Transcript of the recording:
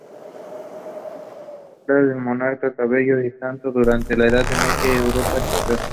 Modelo ejemplar de monarca, caballero y santo durante la Edad Media en Europa central.